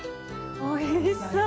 おいしそう！